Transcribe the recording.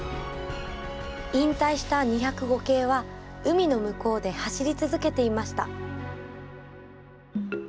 引退した２０５系は海の向こうで走り続けていました。